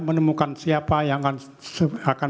menemukan siapa yang akan